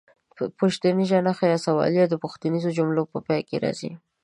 پوښتنیزه نښه یا سوالیه د پوښتنیزو جملو په پای کې راځي.